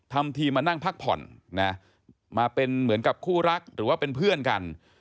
ทำทีมานั่งพักผ่อนนะมาเป็นเหมือนกับคู่รักหรือว่าเป็นเพื่อนกัน